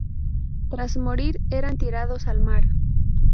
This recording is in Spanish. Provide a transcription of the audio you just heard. Tras morir, eran tirados al mar.